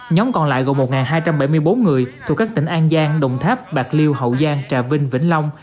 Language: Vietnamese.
nhóm còn lại gồm một hai trăm bảy mươi bốn người thuộc các tỉnh an giang đồng tháp bạc liêu hậu giang trà vinh vĩnh long